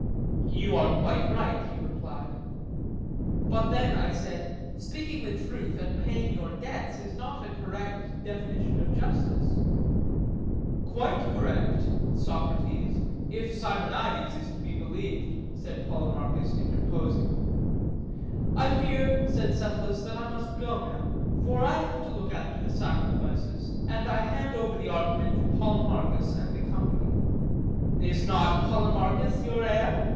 You are quite right, he replied. But then, I said, speaking the truth and paying your debts is not a correct definition of justice. Quite correct, Socrates, if Simonides is to be believed, said Polemarchus interposing. I fear, said Cephalus, that I must go now, for I have to look after the sacrifices, and I hand over the argument to Polemarchus and the company. Is not Polemarchus your heir?